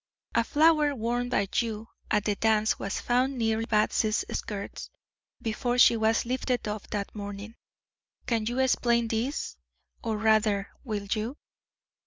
A flower worn by you at the dance was found near Batsy's skirts, before she was lifted up that morning. Can you explain this, or, rather, will you?"